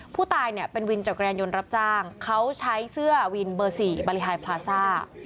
ผู้ตายเนี่ยเป็นวินจักรยานยนต์รับจ้างเขาใช้เสื้อวินเบอร์๔บริหายพลาซ่า